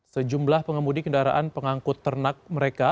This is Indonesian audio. sejumlah pengemudi kendaraan pengangkut ternak mereka